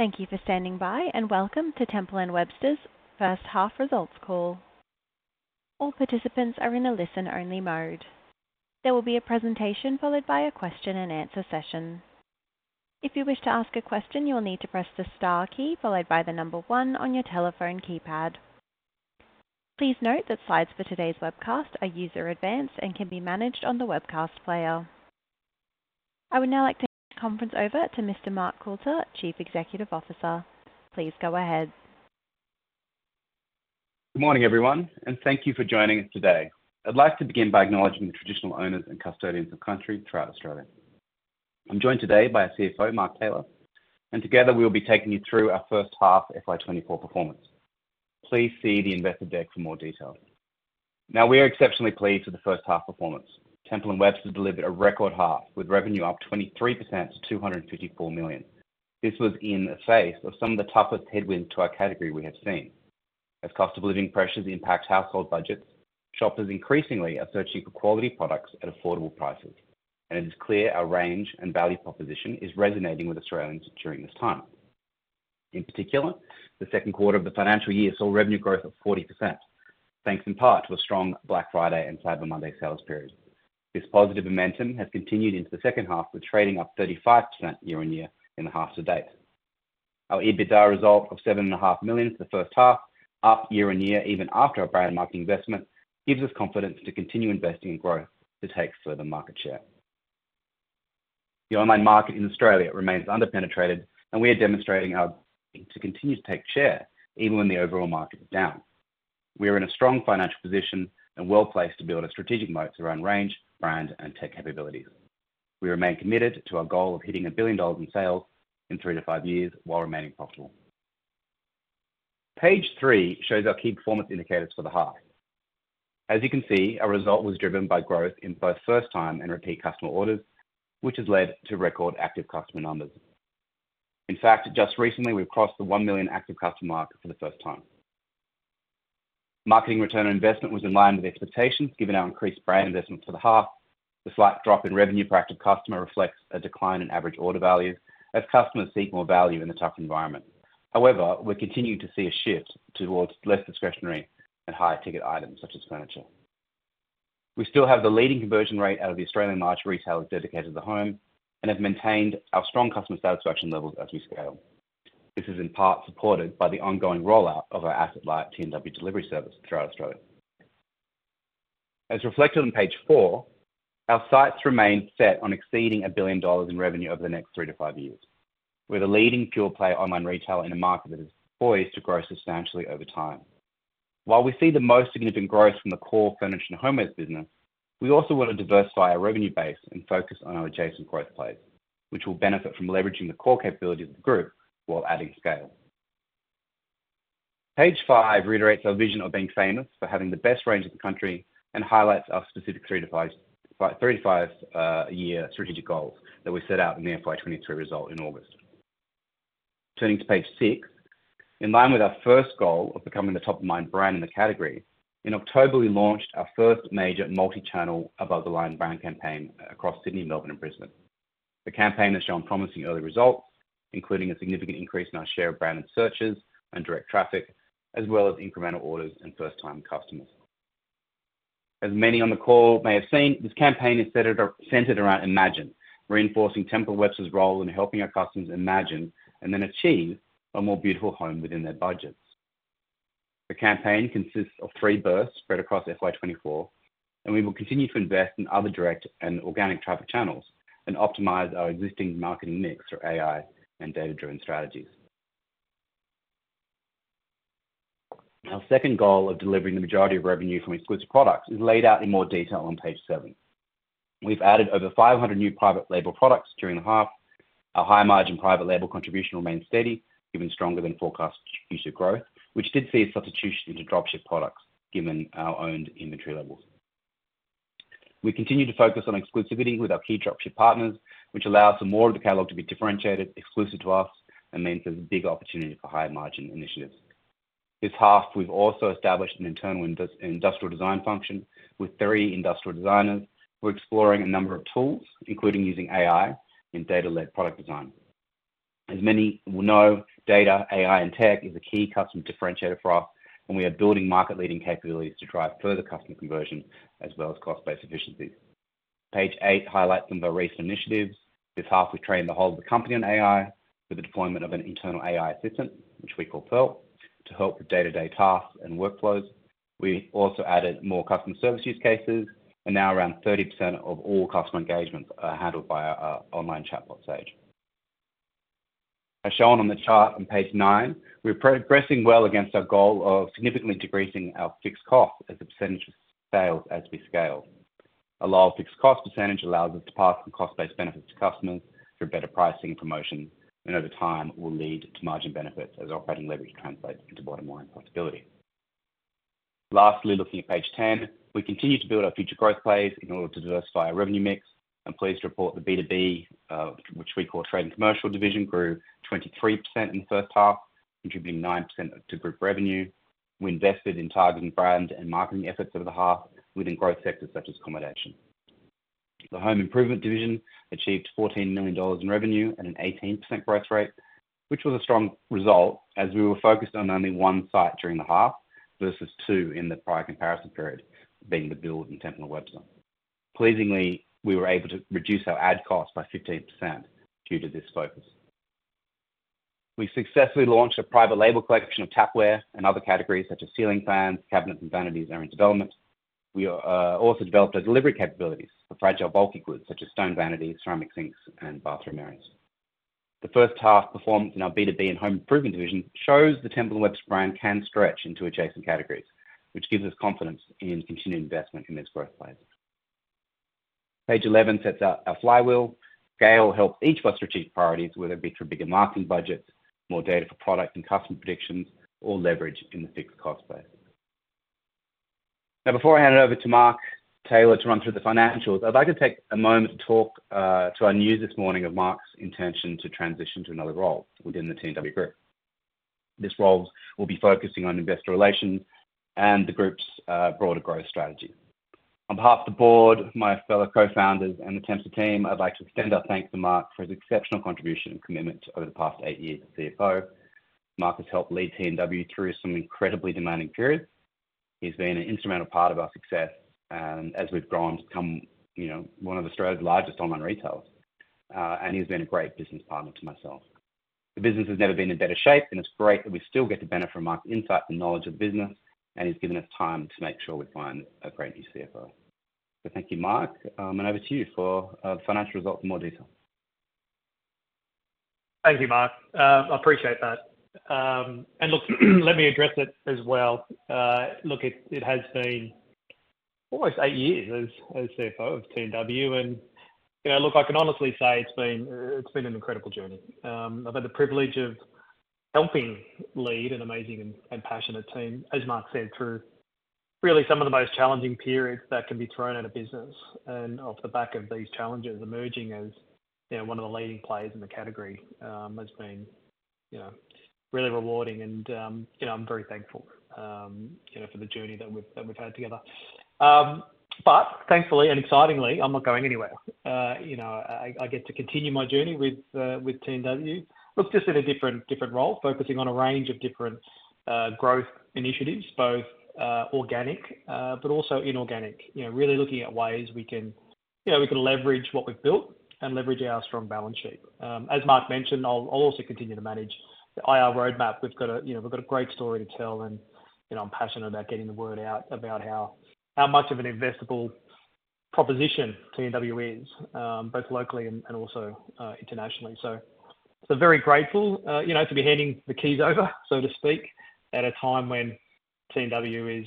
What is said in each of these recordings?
Thank you for standing by and welcome to Temple & Webster's first half results call. All participants are in a listen-only mode. There will be a presentation followed by a question and answer session. If you wish to ask a question, you will need to press the star key followed by the number 1 on your telephone keypad. Please note that slides for today's webcast are user advanced and can be managed on the webcast player. I would now like to hand the conference over to Mr. Mark Coulter, Chief Executive Officer. Please go ahead. Good morning, everyone, and thank you for joining us today. I'd like to begin by acknowledging the traditional owners and custodians of country throughout Australia. I'm joined today by our CFO, Mark Tayler, and together we will be taking you through our first half FY24 performance. Please see the investor deck for more detail. Now, we are exceptionally pleased with the first half performance. Temple & Webster delivered a record half with revenue up 23% to 254 million. This was in the face of some of the toughest headwinds to our category we have seen. As cost of living pressures impact household budgets, shoppers increasingly are searching for quality products at affordable prices, and it is clear our range and value proposition is resonating with Australians during this time. In particular, the second quarter of the financial year saw revenue growth of 40%, thanks in part to a strong Black Friday and Cyber Monday sales period. This positive momentum has continued into the second half, with trading up 35% year-on-year in the half-to-date. Our EBITDA result of 7.5 million for the first half, up year-on-year even after our brand market investment, gives us confidence to continue investing in growth to take further market share. The online market in Australia remains underpenetrated, and we are demonstrating our willingness to continue to take share even when the overall market is down. We are in a strong financial position and well placed to build a strategic moat around range, brand, and tech capabilities. We remain committed to our goal of hitting 1 billion dollars in sales in 3-5 years while remaining profitable. Page 3 shows our key performance indicators for the half. As you can see, our result was driven by growth in both first-time and repeat customer orders, which has led to record active customer numbers. In fact, just recently we've crossed the 1 million active customer mark for the first time. Marketing return on investment was in line with expectations given our increased brand investment for the half. The slight drop in revenue per active customer reflects a decline in average order values as customers seek more value in the tough environment. However, we're continuing to see a shift towards less discretionary and higher ticket items such as furniture. We still have the leading conversion rate out of the Australian major retailers dedicated to the home and have maintained our strong customer satisfaction levels as we scale. This is in part supported by the ongoing rollout of our asset-like T&W delivery service throughout Australia. As reflected on page 4, our sights remain set on exceeding 1 billion dollars in revenue over the next 3-5 years. We're the leading pure-play online retailer in a market that is poised to grow substantially over time. While we see the most significant growth from the core furniture and homewares business, we also want to diversify our revenue base and focus on our adjacent growth plays, which will benefit from leveraging the core capabilities of the group while adding scale. Page 5 reiterates our vision of being famous for having the best range in the country and highlights our specific 3-5 year strategic goals that we set out in the FY23 result in August. Turning to page 6, in line with our first goal of becoming the top-of-mind brand in the category, in October we launched our first major multi-channel above-the-line brand campaign across Sydney, Melbourne, and Brisbane. The campaign has shown promising early results, including a significant increase in our share of branded searches and direct traffic, as well as incremental orders and first-time customers. As many on the call may have seen, this campaign is centered around Imagine, reinforcing Temple & Webster's role in helping our customers imagine and then achieve a more beautiful home within their budgets. The campaign consists of three bursts spread across FY24, and we will continue to invest in other direct and organic traffic channels and optimize our existing marketing mix for AI and data-driven strategies. Our second goal of delivering the majority of revenue from exclusive products is laid out in more detail on page 7. We've added over 500 new private label products during the half. Our high-margin private label contribution remains steady, even stronger than forecast future growth, which did see a substitution into dropship products given our owned inventory levels. We continue to focus on exclusivity with our key dropship partners, which allows for more of the catalog to be differentiated, exclusive to us, and means there's a big opportunity for high-margin initiatives. This half, we've also established an internal industrial design function with three industrial designers who are exploring a number of tools, including using AI in data-led product design. As many will know, data, AI, and tech is a key customer differentiator for us, and we are building market-leading capabilities to drive further customer conversion as well as cost-based efficiencies. Page 8 highlights some of our recent initiatives. This half, we've trained the whole of the company on AI with the deployment of an internal AI assistant, which we call Pearl, to help with day-to-day tasks and workflows. We also added more customer service use cases, and now around 30% of all customer engagements are handled by our online chatbot Sage. As shown on the chart on page 9, we're progressing well against our goal of significantly decreasing our fixed cost as the percentage of sales as we scale. A low fixed cost percentage allows us to pass from cost-based benefits to customers through better pricing and promotion, and over time will lead to margin benefits as operating leverage translates into bottom-line profitability. Lastly, looking at page 10, we continue to build our future growth plays in order to diversify our revenue mix. I'm pleased to report the B2B, which we call Trade & Commercial division, grew 23% in the first half, contributing 9% to group revenue. We invested in targeting brand and marketing efforts over the half within growth sectors such as accommodation. The Home Improvement division achieved 14 million dollars in revenue and an 18% growth rate, which was a strong result as we were focused on only one site during the half versus two in the prior comparison period, being The Build and Temple & Webster. Pleasingly, we were able to reduce our ad cost by 15% due to this focus. We successfully launched a private label collection of tapware and other categories such as ceiling fans, cabinets, and vanities, are in development. We also developed our delivery capabilities for fragile bulky goods such as stone vanities, ceramic sinks, and bathroom areas. The first half performance in our B2B and Home Improvement division shows the Temple & Webster brand can stretch into adjacent categories, which gives us confidence in continued investment in this growth plays. Page 11 sets out our flywheel. Scale helps each of our strategic priorities, whether it be through bigger marketing budgets, more data for product and customer predictions, or leverage in the fixed cost space. Now, before I hand it over to Mark Tayler to run through the financials, I'd like to take a moment to talk to our news this morning of Mark's intention to transition to another role within the T&W group. This role will be focusing on investor relations and the group's broader growth strategy. On behalf of the board, my fellow co-founders, and the Temple team, I'd like to extend our thanks to Mark for his exceptional contribution and commitment over the past eight years as CFO. Mark has helped lead T&W through some incredibly demanding periods. He's been an instrumental part of our success as we've grown to become one of Australia's largest online retailers, and he's been a great business partner to myself. The business has never been in better shape, and it's great that we still get to benefit from Mark's insight and knowledge of the business, and he's given us time to make sure we find a great new CFO. So thank you, Mark, and over to you for the financial results in more detail. Thank you, Mark. I appreciate that. And look, let me address it as well. Look, it has been almost eight years as CFO of T&W, and look, I can honestly say it's been an incredible journey. I've had the privilege of helping lead an amazing and passionate team, as Mark said, through really some of the most challenging periods that can be thrown at a business. And off the back of these challenges, emerging as one of the leading players in the category has been really rewarding, and I'm very thankful for the journey that we've had together. But thankfully and excitingly, I'm not going anywhere. I get to continue my journey with T&W, look, just in a different role, focusing on a range of different growth initiatives, both organic but also inorganic, really looking at ways we can leverage what we've built and leverage our strong balance sheet. As Mark mentioned, I'll also continue to manage the IR roadmap. We've got a great story to tell, and I'm passionate about getting the word out about how much of an investable proposition T&W is, both locally and also internationally. So I'm very grateful to be handing the keys over, so to speak, at a time when T&W is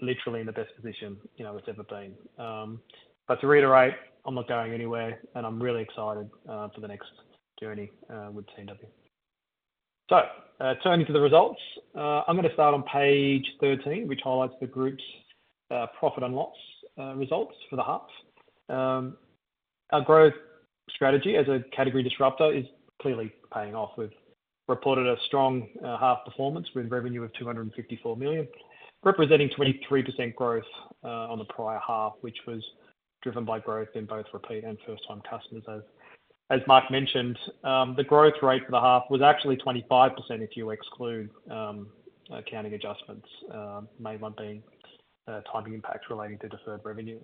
literally in the best position it's ever been. But to reiterate, I'm not going anywhere, and I'm really excited for the next journey with T&W. So turning to the results, I'm going to start on page 13, which highlights the group's profit and loss results for the half. Our growth strategy as a category disruptor is clearly paying off. We've reported a strong half performance with revenue of 254 million, representing 23% growth on the prior half, which was driven by growth in both repeat and first-time customers. As Mark mentioned, the growth rate for the half was actually 25% if you exclude accounting adjustments, mainly being timing impacts relating to deferred revenue.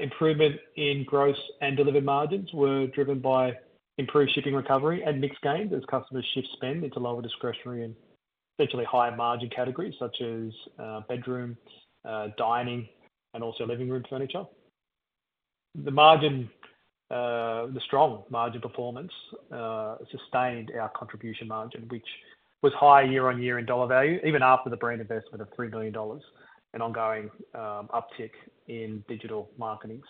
Improvement in gross and delivered margins were driven by improved shipping recovery and mixed gains as customers shift spend into lower discretionary and essentially higher margin categories such as bedroom, dining, and also living room furniture. The strong margin performance sustained our contribution margin, which was higher year-on-year in dollar value, even after the brand investment of 3 million dollars and ongoing uptick in digital marketing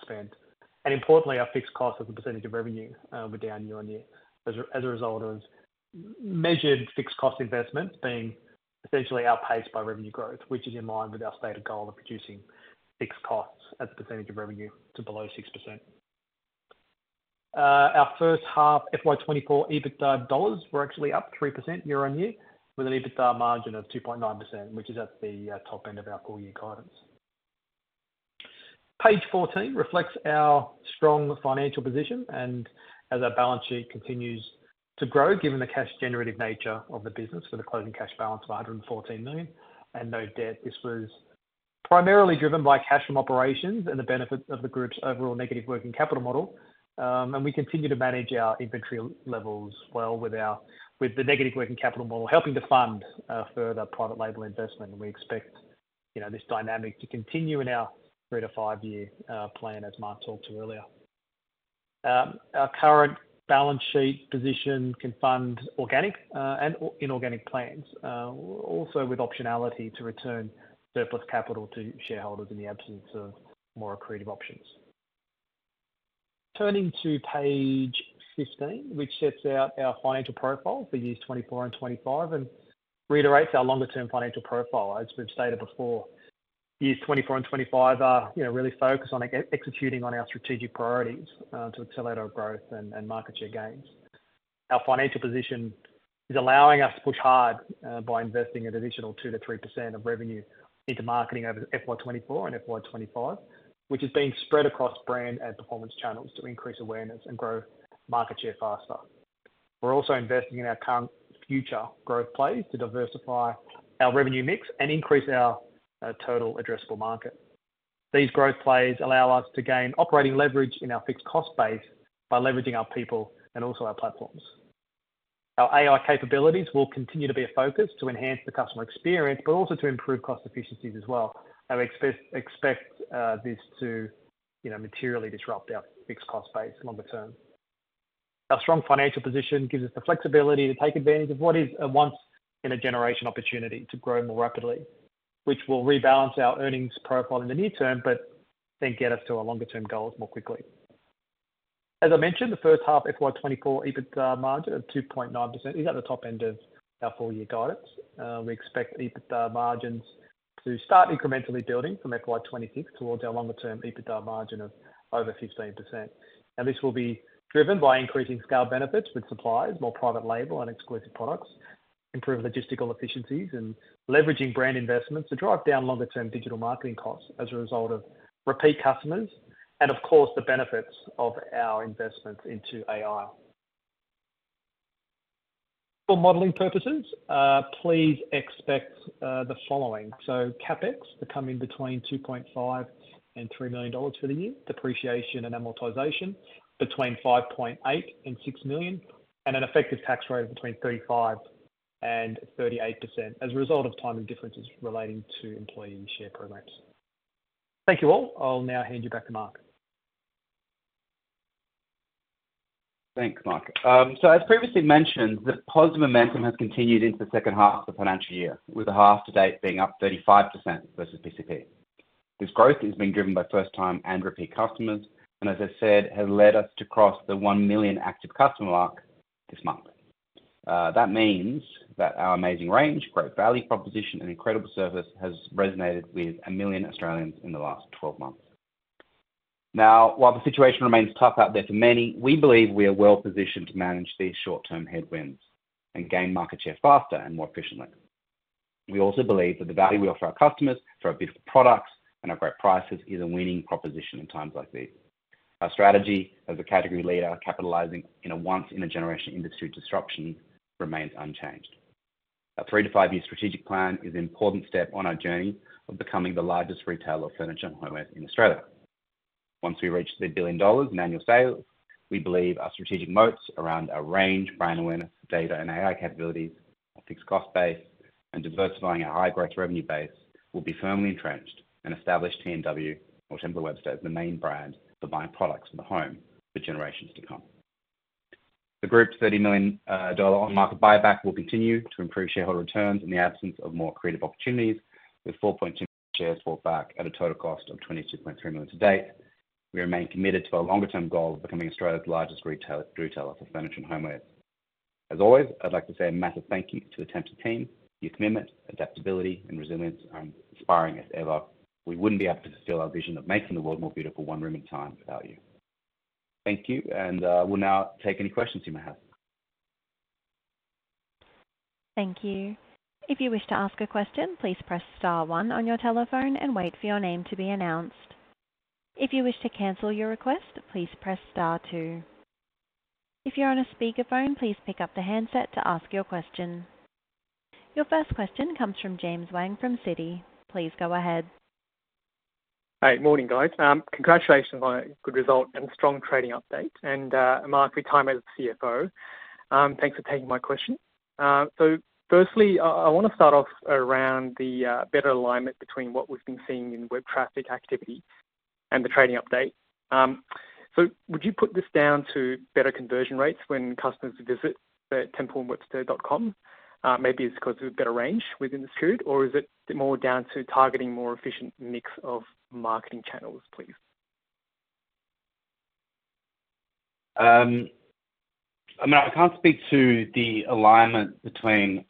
spend. Importantly, our fixed cost as a percentage of revenue were down year-on-year as a result of measured fixed cost investments being essentially outpaced by revenue growth, which is in line with our stated goal of producing fixed costs as a percentage of revenue to below 6%. Our first half FY24 EBITDA dollars were actually up 3% year-on-year with an EBITDA margin of 2.9%, which is at the top end of our full-year guidance. Page 14 reflects our strong financial position and, as our balance sheet continues to grow given the cash-generative nature of the business, with a closing cash balance of 114 million and no debt. This was primarily driven by cash from operations and the benefits of the group's overall negative working capital model. We continue to manage our inventory levels well with the negative working capital model helping to fund further private label investment. We expect this dynamic to continue in our 3- to 5-year plan, as Mark talked to earlier. Our current balance sheet position can fund organic and inorganic plans, also with optionality to return surplus capital to shareholders in the absence of more accretive options. Turning to page 15, which sets out our financial profile for years 2024 and 2025 and reiterates our longer-term financial profile. As we've stated before, years 2024 and 2025 are really focused on executing on our strategic priorities to accelerate our growth and market share gains. Our financial position is allowing us to push hard by investing an additional 2%-3% of revenue into marketing over FY24 and FY25, which is being spread across brand and performance channels to increase awareness and grow market share faster. We're also investing in our current future growth plays to diversify our revenue mix and increase our total addressable market. These growth plays allow us to gain operating leverage in our fixed cost base by leveraging our people and also our platforms. Our AI capabilities will continue to be a focus to enhance the customer experience, but also to improve cost efficiencies as well. We expect this to materially disrupt our fixed cost base long-term. Our strong financial position gives us the flexibility to take advantage of what is once-in-a-generation opportunity to grow more rapidly, which will rebalance our earnings profile in the near term, but then get us to our longer-term goals more quickly. As I mentioned, the first half FY24 EBITDA margin of 2.9% is at the top end of our full-year guidance. We expect EBITDA margins to start incrementally building from FY26 towards our longer-term EBITDA margin of over 15%. This will be driven by increasing scale benefits with supplies, more private label, and exclusive products, improved logistical efficiencies, and leveraging brand investments to drive down longer-term digital marketing costs as a result of repeat customers and, of course, the benefits of our investments into AI. For modeling purposes, please expect the following: so CapEx to come in between 2.5 million-3 million dollars for the year, depreciation and amortization between 5.8 million-6 million, and an effective tax rate of between 35%-38% as a result of timing differences relating to employee share programs. Thank you all. I'll now hand you back to Mark. Thanks, Mark. So as previously mentioned, the positive momentum has continued into the second half of the financial year, with the half to date being up 35% versus PCP. This growth has been driven by first-time and repeat customers and, as I said, has led us to cross the 1 million active customer mark this month. That means that our amazing range, great value proposition, and incredible service has resonated with 1 million Australians in the last 12 months. Now, while the situation remains tough out there for many, we believe we are well positioned to manage these short-term headwinds and gain market share faster and more efficiently. We also believe that the value we offer our customers for our beautiful products and our great prices is a winning proposition in times like these. Our strategy as a category leader, capitalizing in a once-in-a-generation industry disruption, remains unchanged. Our 3-5 year strategic plan is an important step on our journey of becoming the largest retailer of furniture and homeware in Australia. Once we reach 1 billion dollars in annual sales, we believe our strategic moats around our range, brand awareness, data, and AI capabilities, our fixed cost base, and diversifying our high growth revenue base will be firmly entrenched and establish T&W or Temple & Webster as the main brand for buying products for the home for generations to come. The group's 30 million dollar on-market buyback will continue to improve shareholder returns in the absence of more creative opportunities, with 4.2 million shares bought back at a total cost of 22.3 million to date. We remain committed to our longer-term goal of becoming Australia's largest retailer for furniture and homeware. As always, I'd like to say a massive thank you to the Temple team. Your commitment, adaptability, and resilience are inspiring as ever. We wouldn't be able to fulfill our vision of making the world more beautiful one room at a time without you. Thank you. We'll now take any questions you may have. Thank you. If you wish to ask a question, please press star one on your telephone and wait for your name to be announced. If you wish to cancel your request, please press star two. If you're on a speakerphone, please pick up the handset to ask your question. Your first question comes from James Wang from Citi. Please go ahead. Hey, morning, guys. Congratulations on a good result and strong trading update. Mark, as the CFO. Thanks for taking my question. So firstly, I want to start off around the better alignment between what we've been seeing in web traffic activity and the trading update. So would you put this down to better conversion rates when customers visit templeandwebster.com? Maybe it's because of a better range within this period, or is it more down to targeting a more efficient mix of marketing channels, please? I mean, I can't speak to the alignment between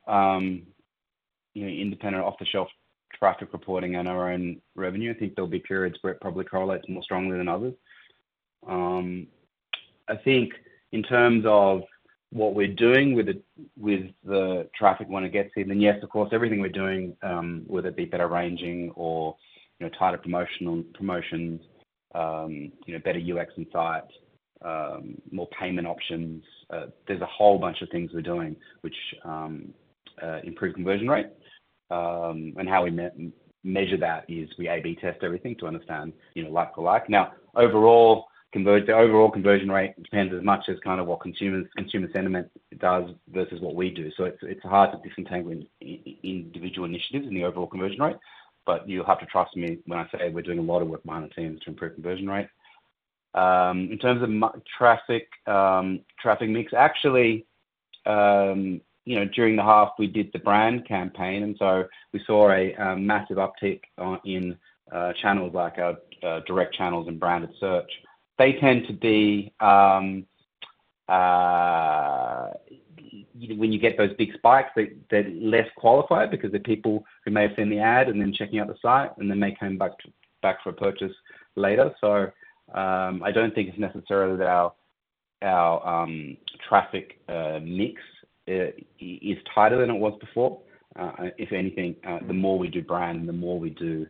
independent off-the-shelf traffic reporting and our own revenue. I think there'll be periods where it probably correlates more strongly than others. I think in terms of what we're doing with the traffic when it gets here, then yes, of course, everything we're doing, whether it be better ranging or tighter promotions, better UX insight, more payment options, there's a whole bunch of things we're doing which improve conversion rate. And how we measure that is we A/B test everything to understand. Like for like. Now, overall conversion rate depends as much as kind of what consumer sentiment does versus what we do. So it's hard to disentangle individual initiatives in the overall conversion rate. But you'll have to trust me when I say we're doing a lot of work behind the scenes to improve conversion rate. In terms of traffic mix, actually, during the half, we did the brand campaign. So we saw a massive uptick in channels like our direct channels and branded search. They tend to be, when you get those big spikes, less qualified because they're people who may have seen the ad and then checking out the site, and then they come back for a purchase later. So I don't think it's necessarily that our traffic mix is tighter than it was before. If anything, the more we do brand and the more we do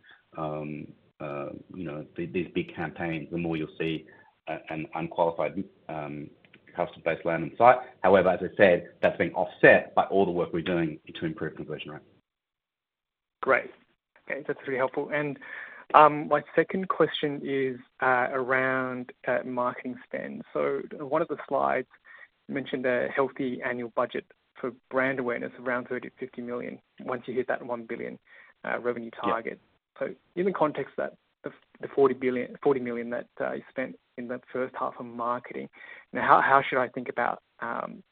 these big campaigns, the more you'll see an unqualified customer-based landing site. However, as I said, that's been offset by all the work we're doing to improve conversion rate. Great. Okay, that's really helpful. My second question is around marketing spend. One of the slides mentioned a healthy annual budget for brand awareness around 30-50 million once you hit that 1 billion revenue target. In the context of that, the 40 million that you spent in the first half on marketing, now how should I think about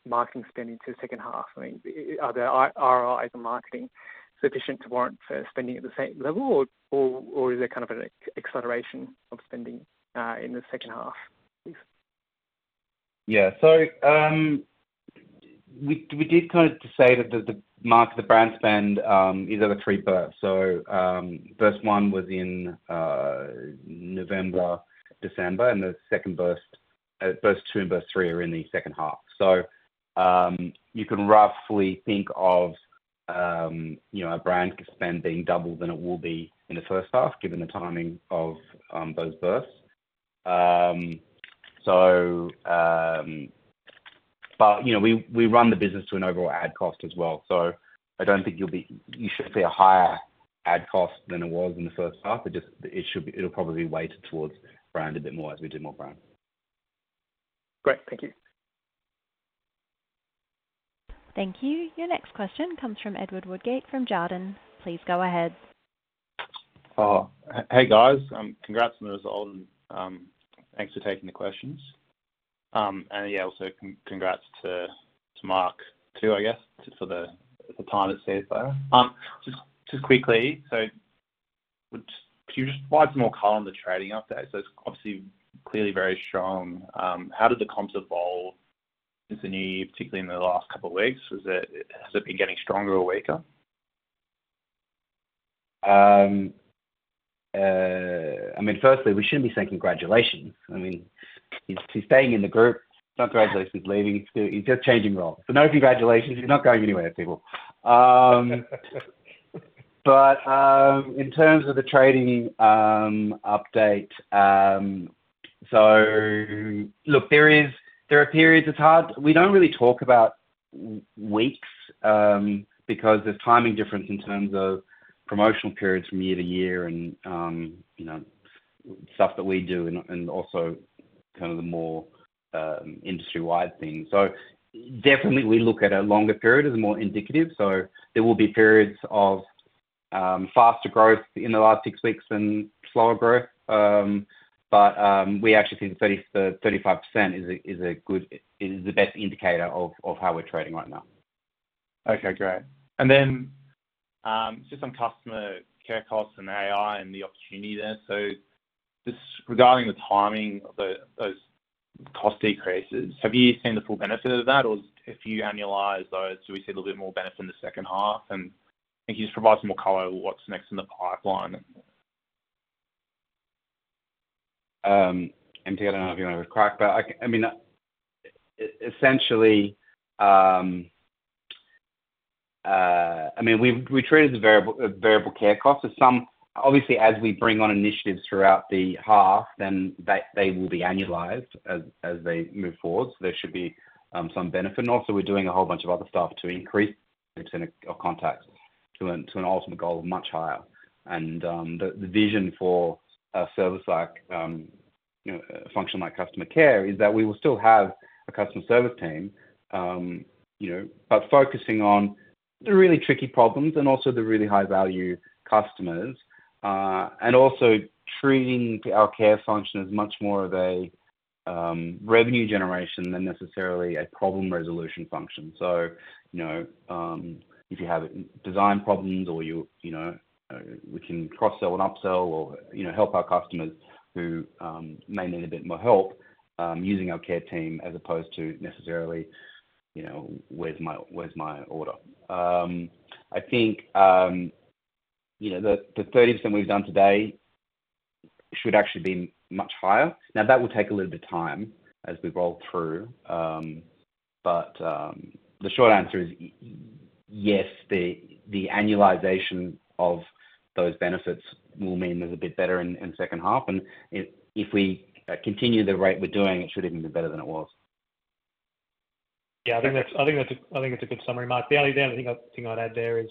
marketing spending to the second half? I mean, are ROIs in marketing sufficient to warrant spending at the same level, or is there kind of an acceleration of spending in the second half, please? Yeah. So we did kind of say that the brand spend is at a three-burst. So burst 1 was in November, December, and the second burst, burst 2 and burst 3 are in the second half. So you can roughly think of our brand spend being double than it will be in the first half given the timing of those bursts. But we run the business to an overall ad cost as well. So I don't think you'll be you shouldn't see a higher ad cost than it was in the first half. It'll probably be weighted towards brand a bit more as we do more brand. Great. Thank you. Thank you. Your next question comes from Edward Woodgate from Jarden. Please go ahead. Hey, guys. Congrats on the result and thanks for taking the questions. Yeah, also congrats to Mark too, I guess, for the time it saved there. Just quickly, could you just provide some more color on the trading update? It's obviously clearly very strong. How did the comps evolve this new year, particularly in the last couple of weeks? Has it been getting stronger or weaker? I mean, firstly, we shouldn't be saying congratulations. I mean, he's staying in the group. It's not congratulations leaving. He's just changing roles. So no congratulations. He's not going anywhere, people. But in terms of the trading update, so look, there are periods it's hard. We don't really talk about weeks because there's timing difference in terms of promotional periods from year to year and stuff that we do and also kind of the more industry-wide things. So definitely, we look at a longer period as more indicative. So there will be periods of faster growth in the last six weeks than slower growth. But we actually think 35% is the best indicator of how we're trading right now. Okay, great. And then just on customer care costs and AI and the opportunity there. So regarding the timing of those cost decreases, have you seen the full benefit of that, or if you annualize, do we see a little bit more benefit in the second half? And can you just provide some more color what's next in the pipeline? I don't know if you want to crack, but I mean, essentially, I mean, we traded the variable care costs. Obviously, as we bring on initiatives throughout the half, then they will be annualized as they move forward. So there should be some benefit. Also, we're doing a whole bunch of other stuff to increase percentage of contacts to an ultimate goal of much higher. And the vision for a service like a function like customer care is that we will still have a customer service team but focusing on the really tricky problems and also the really high-value customers and also treating our care function as much more of a revenue generation than necessarily a problem resolution function. So if you have design problems or we can cross-sell and upsell or help our customers who may need a bit more help using our care team as opposed to necessarily, "Where's my order?" I think the 30% we've done today should actually be much higher. Now, that will take a little bit of time as we roll through. But the short answer is yes, the annualization of those benefits will mean there's a bit better in second half. And if we continue the rate we're doing, it should even be better than it was. Yeah, I think that's a good summary, Mark. The only thing I'd add there is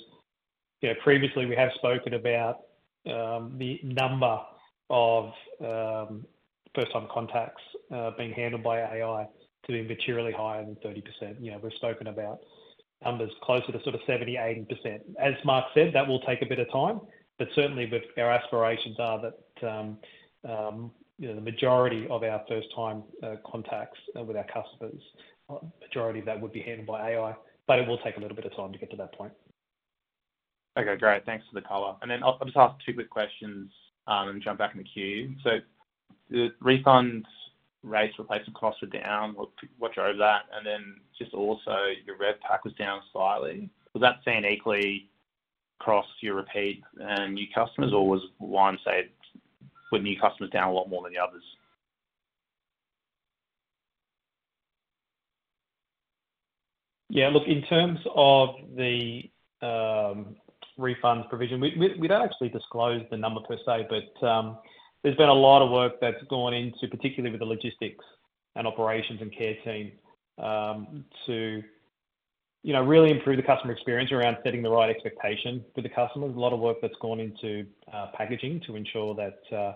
previously, we have spoken about the number of first-time contacts being handled by AI to be materially higher than 30%. We've spoken about numbers closer to sort of 70%-80%. As Mark said, that will take a bit of time. But certainly, our aspirations are that the majority of our first-time contacts with our customers, a majority of that would be handled by AI. But it will take a little bit of time to get to that point. Okay, great. Thanks for the color. And then I'll just ask 2 quick questions and jump back in the queue. So the refund rates, replacement costs were down. What drove that? And then just also, your Red pack was down slightly. Was that seen equally across your repeat and new customers, or was one saying with new customers down a lot more than the others? Yeah, look, in terms of the refunds provision, we don't actually disclose the number per se, but there's been a lot of work that's gone into, particularly with the logistics and operations and care team, to really improve the customer experience around setting the right expectation for the customers. A lot of work that's gone into packaging to ensure that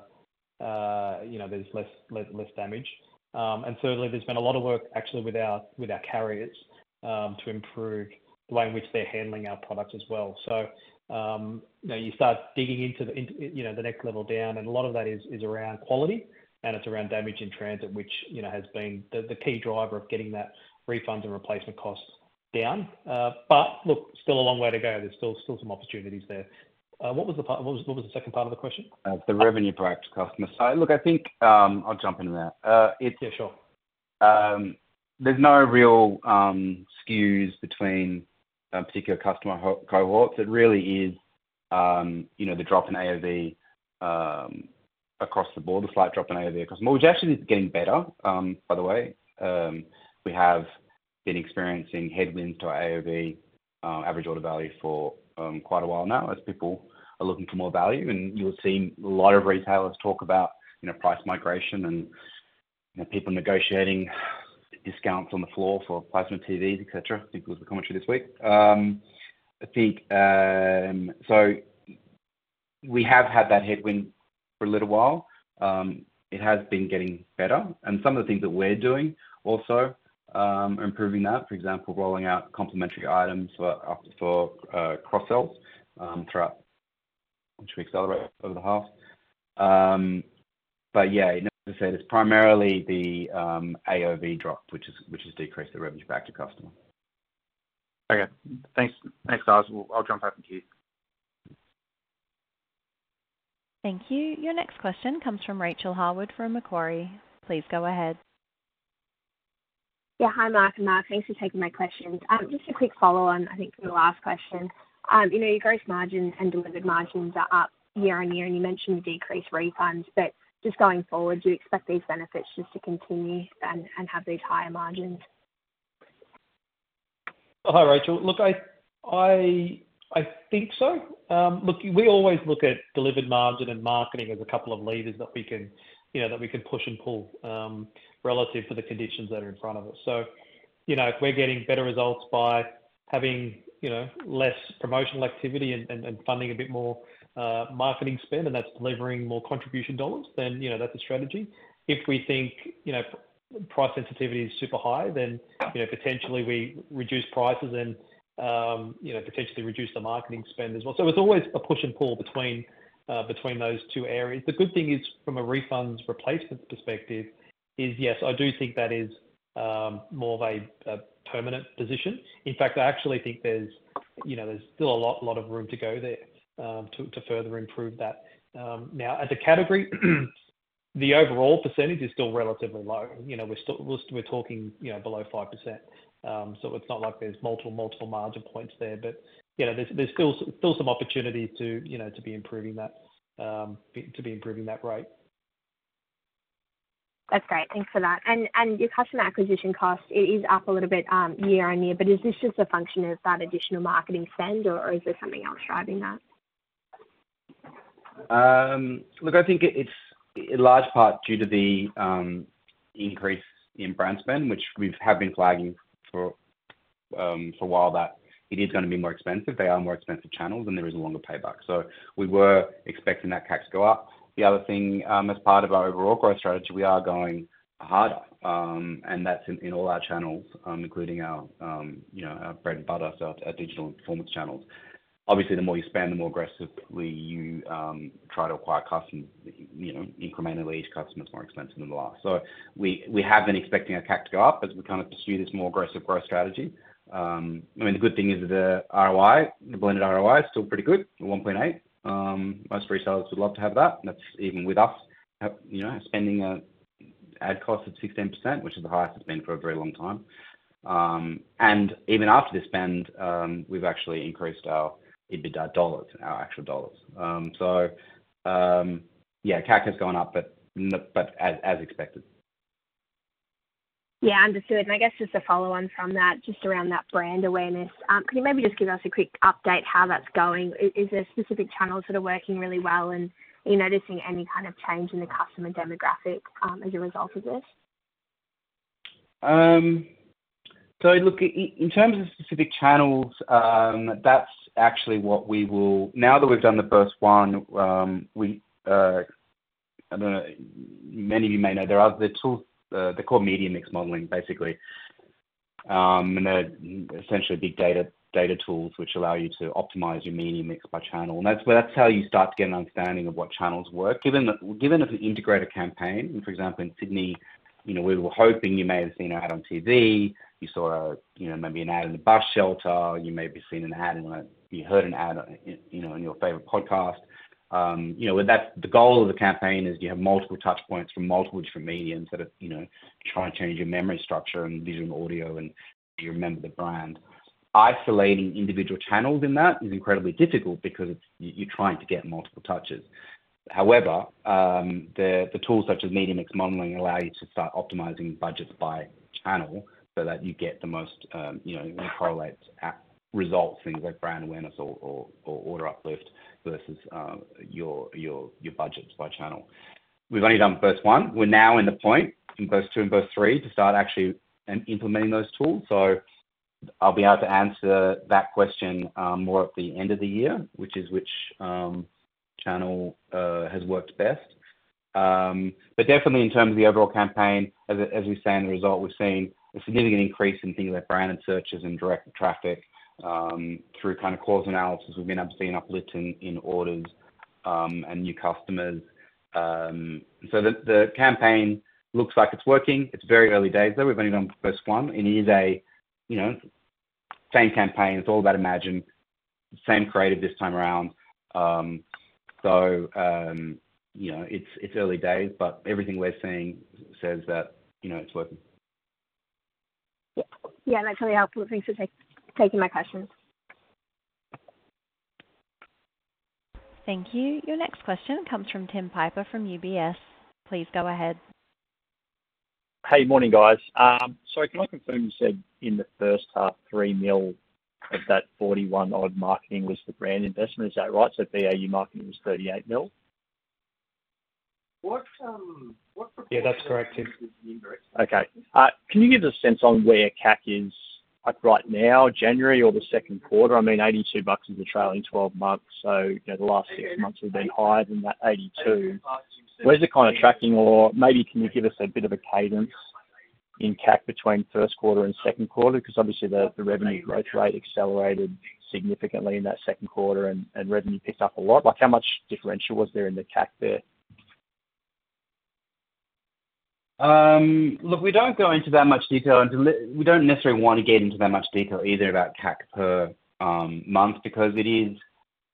there's less damage. And certainly, there's been a lot of work actually with our carriers to improve the way in which they're handling our products as well. So you start digging into the next level down, and a lot of that is around quality, and it's around damage in transit, which has been the key driver of getting that refunds and replacement costs down. But look, still a long way to go. There's still some opportunities there. What was the second part of the question? The revenue-backed customer. So look, I think I'll jump in there. Yeah, sure. There's no real skews between particular customer cohorts. It really is the drop in AOV across the board, the slight drop in AOV across the board, which actually is getting better, by the way. We have been experiencing headwinds to our AOV average order value for quite a while now as people are looking for more value. And you'll see a lot of retailers talk about price migration and people negotiating discounts on the floor for placement TVs, etc. I think it was a commentary this week. So we have had that headwind for a little while. It has been getting better. And some of the things that we're doing also are improving that, for example, rolling out complementary items for cross-sells throughout which we accelerate over the half. But yeah, as I said, it's primarily the AOV drop, which has decreased the revenue-backed to customer. Okay. Thanks, guys. I'll jump back in the queue. Thank you. Your next question comes from Rachel Harwood from Macquarie. Please go ahead. Yeah, hi, Mark. And Mark, thanks for taking my questions. Just a quick follow-on, I think, to the last question. Your gross margins and delivered margins are up year-on-year, and you mentioned the decreased refunds. But just going forward, do you expect these benefits just to continue and have these higher margins? Hi, Rachel. Look, I think so. Look, we always look at delivered margin and marketing as a couple of levers that we can push and pull relative to the conditions that are in front of us. So if we're getting better results by having less promotional activity and funding a bit more marketing spend, and that's delivering more contribution dollars, then that's a strategy. If we think price sensitivity is super high, then potentially, we reduce prices and potentially reduce the marketing spend as well. So it's always a push and pull between those two areas. The good thing is, from a refunds replacement perspective, is yes, I do think that is more of a permanent position. In fact, I actually think there's still a lot of room to go there to further improve that. Now, as a category, the overall percentage is still relatively low. We're talking below 5%. It's not like there's multiple, multiple margin points there. There's still some opportunities to be improving that to be improving that rate. That's great. Thanks for that. Your customer acquisition cost, it is up a little bit year-over-year. But is this just a function of that additional marketing spend, or is there something else driving that? Look, I think it's in large part due to the increase in brand spend, which we have been flagging for a while that it is going to be more expensive. They are more expensive channels, and there is a longer payback. So we were expecting that CACs go up. The other thing, as part of our overall growth strategy, we are going harder. And that's in all our channels, including our bread and butter, so our digital performance channels. Obviously, the more you spend, the more aggressively you try to acquire customers, incrementally each customer is more expensive than the last. So we have been expecting our CAC to go up as we kind of pursue this more aggressive growth strategy. I mean, the good thing is that the ROI, the blended ROI, is still pretty good, 1.8. Most retailers would love to have that. That's even with us spending an ad cost of 16%, which is the highest it's been for a very long time. Even after this spend, we've actually increased our EBITDA dollars, our actual dollars. Yeah, CAC has gone up, but as expected. Yeah, understood. I guess just a follow-on from that, just around that brand awareness, could you maybe just give us a quick update how that's going? Is there specific channels that are working really well, and are you noticing any kind of change in the customer demographic as a result of this? So look, in terms of specific channels, that's actually what we will now that we've done the first one, I don't know. Many of you may know there are the tools. They're called media mix modeling, basically. And they're essentially big data tools which allow you to optimize your media mix by channel. And that's how you start to get an understanding of what channels work. Given it's an integrated campaign, for example, in Sydney, we were hoping you may have seen an ad on TV. You saw maybe an ad in a bus shelter. You may have seen an ad when you heard an ad in your favorite podcast. The goal of the campaign is you have multiple touchpoints from multiple different mediums that are trying to change your memory structure and visual and audio and you remember the brand. Isolating individual channels in that is incredibly difficult because you're trying to get multiple touches. However, the tools such as media mix modeling allow you to start optimizing budgets by channel so that you get the most correlate results, things like brand awareness or order uplift versus your budgets by channel. We've only done first one. We're now in the point in both two and both three to start actually implementing those tools. So I'll be able to answer that question more at the end of the year, which is which channel has worked best. But definitely, in terms of the overall campaign, as we say in the result, we've seen a significant increase in things like branded searches and direct traffic through kind of cause analysis. We've been seeing uplift in orders and new customers. So the campaign looks like it's working. It's very early days, though. We've only done the first one. It is the same campaign. It's all about Imagine, the same creative this time around. It's early days, but everything we're seeing says that it's working. Yeah, that's really helpful. Thanks for taking my questions. Thank you. Your next question comes from Tim Piper from UBS. Please go ahead. Hey, morning, guys. So can I confirm you said in the first half, 3 million of that 41-odd million marketing was the brand investment? Is that right? So BAU marketing was 38 million? Yeah, that's correct, Tim. Okay. Can you give us a sense on where CAC is right now, January or the second quarter? I mean, 82 bucks is the trailing 12 months. So the last six months have been higher than that 82. Where's the kind of tracking? Or maybe can you give us a bit of a cadence in CAC between first quarter and second quarter? Because obviously, the revenue growth rate accelerated significantly in that second quarter, and revenue picked up a lot. How much differential was there in the CAC there? Look, we don't go into that much detail. And we don't necessarily want to get into that much detail either about CAC per month because it is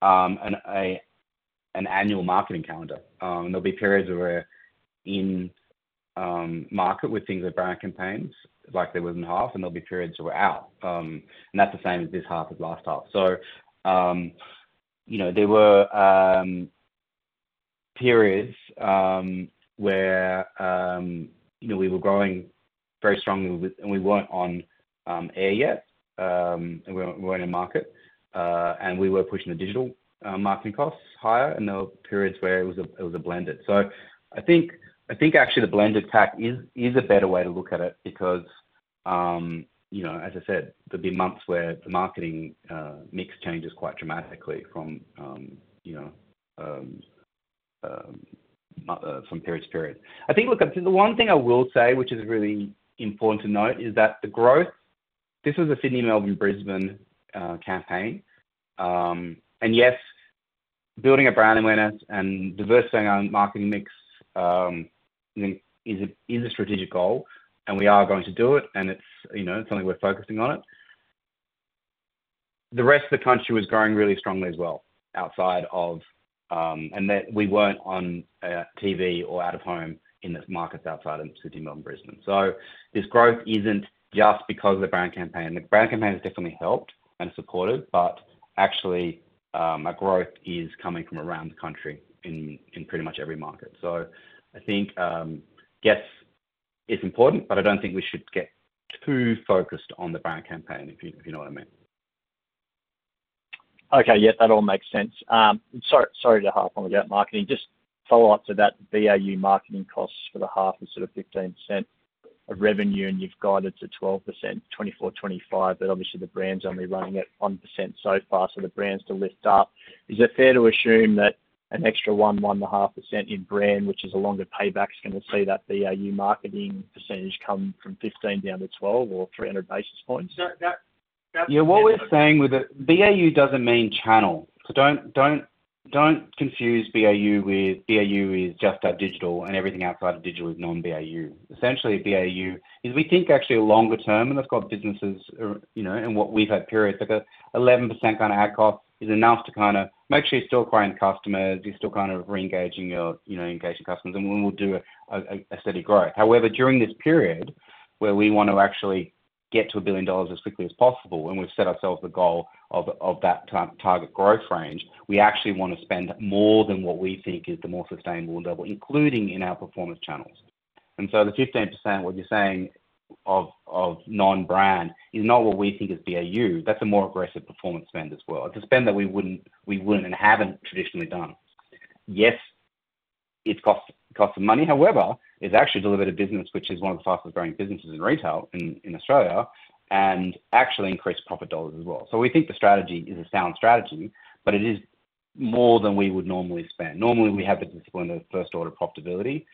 an annual marketing calendar. And there'll be periods where we're in market with things like brand campaigns like there was in half, and there'll be periods where we're out. And that's the same as this half as last half. So there were periods where we were growing very strongly, and we weren't on air yet, and we weren't in market. And we were pushing the digital marketing costs higher. And there were periods where it was a blended. So I think actually, the blended CAC is a better way to look at it because, as I said, there'll be months where the marketing mix changes quite dramatically from period to period. I think, look, the one thing I will say, which is really important to note, is that the growth, this was a Sydney, Melbourne, Brisbane campaign. And yes, building a brand awareness and diversifying our marketing mix is a strategic goal, and we are going to do it. And it's something we're focusing on it. The rest of the country was growing really strongly as well outside of, and we weren't on TV or out of home in the markets outside of Sydney, Melbourne, Brisbane. So this growth isn't just because of the brand campaign. The brand campaign has definitely helped and supported, but actually, our growth is coming from around the country in pretty much every market. So I think, yes, it's important, but I don't think we should get too focused on the brand campaign, if you know what I mean. Okay. Yeah, that all makes sense. Sorry to harp on about marketing. Just follow-up to that, the BAU marketing costs for the half is sort of 15% of revenue, and you've got it to 12%, 2024, 2025. But obviously, the brand's only running at 1% so far, so the brand's to lift up. Is it fair to assume that an extra 1%-1.5% in brand, which is a longer payback, is going to see that BAU marketing percentage come from 15% down to 12% or 300 basis points? Yeah, what we're saying with it, BAU doesn't mean channel. So don't confuse BAU with—BAU is just our digital, and everything outside of digital is non-BAU. Essentially, BAU is—we think actually a longer term, and they've got businesses and what we've had periods like an 11% kind of ad cost is enough to kind of make sure you're still acquiring customers. You're still kind of reengaging your engaging customers, and we'll do a steady growth. However, during this period where we want to actually get to 1 billion dollars as quickly as possible, and we've set ourselves the goal of that target growth range, we actually want to spend more than what we think is the more sustainable level, including in our performance channels. And so the 15%, what you're saying of non-brand is not what we think is BAU. That's a more aggressive performance spend as well. It's a spend that we wouldn't and haven't traditionally done. Yes, it costs some money. However, it's actually delivered a business which is one of the fastest-growing businesses in retail in Australia and actually increased profit dollars as well. So we think the strategy is a sound strategy, but it is more than we would normally spend. Normally, we have the discipline of first-order profitability.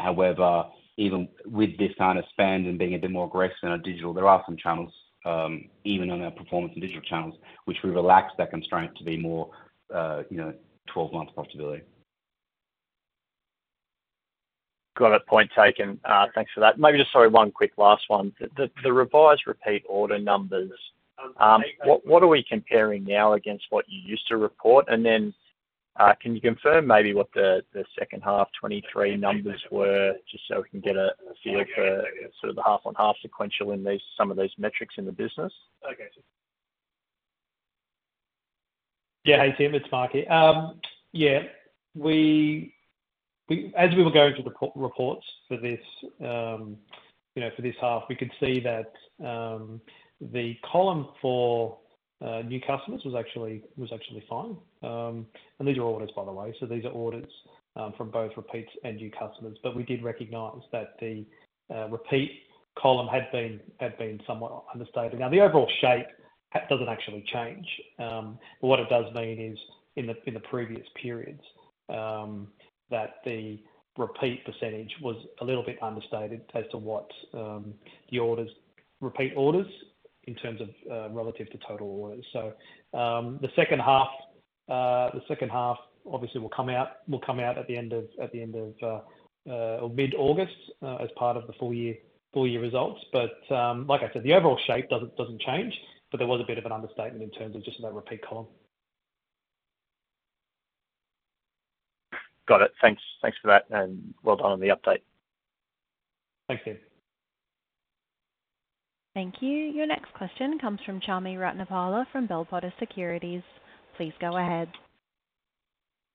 However, even with this kind of spend and being a bit more aggressive than our digital, there are some channels, even on our performance and digital channels, which we relaxed that constraint to be more 12-month profitability. Got it. Point taken. Thanks for that. Maybe just, sorry, one quick last one. The revised repeat order numbers, what are we comparing now against what you used to report? And then can you confirm maybe what the second half, 2023, numbers were just so we can get a feel for sort of the half-on-half sequential in some of these metrics in the business? Okay. Yeah, hey, Tim. It's Mark T. Yeah. As we were going through the reports for this half, we could see that the column for new customers was actually fine. And these are audits, by the way. So these are audits from both repeats and new customers. But we did recognize that the repeat column had been somewhat understated. Now, the overall shape doesn't actually change. But what it does mean is, in the previous periods, that the repeat percentage was a little bit understated as to what the repeat orders in terms of relative to total orders. So the second half, obviously, will come out at the end of or mid-August as part of the full-year results. But like I said, the overall shape doesn't change. But there was a bit of an understatement in terms of just that repeat column. Got it. Thanks for that. Well done on the update. Thanks, Tim. Thank you. Your next question comes from Chami Ratnapala from Bell Potter Securities. Please go ahead.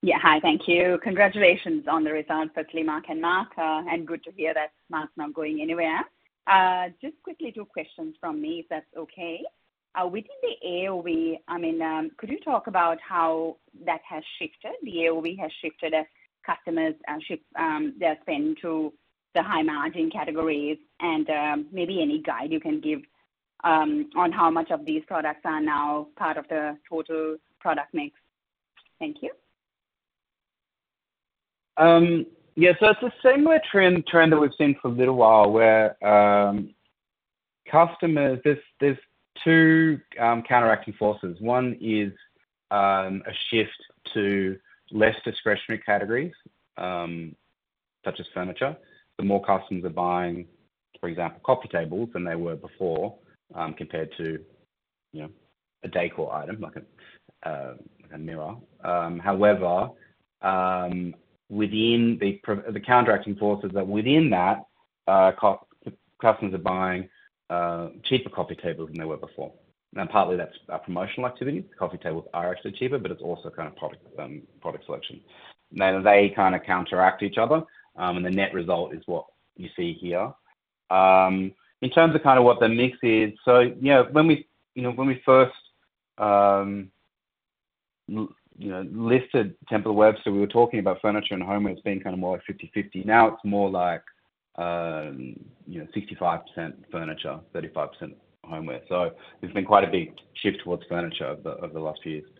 Yeah, hi. Thank you. Congratulations on the results for Slimak and Mark. And good to hear that Mark's not going anywhere. Just quickly, two questions from me, if that's okay. Within the AOV, I mean, could you talk about how that has shifted? The AOV has shifted as customers shift their spend to the high-margin categories. And maybe any guide you can give on how much of these products are now part of the total product mix. Thank you. Yeah. So it's the similar trend that we've seen for a little while where customers, there's two counteracting forces. One is a shift to less discretionary categories such as furniture. The more customers are buying, for example, coffee tables than they were before compared to a decor item like a mirror. However, within the counteracting forces that within that, customers are buying cheaper coffee tables than they were before. Now, partly, that's our promotional activity. The coffee tables are actually cheaper, but it's also kind of product selection. Now, they kind of counteract each other, and the net result is what you see here. In terms of kind of what the mix is so when we first listed Temple & Webster, we were talking about furniture and homewares being kind of more like 50/50. Now, it's more like 65% furniture, 35% homewares. So there's been quite a big shift towards furniture over the last few years.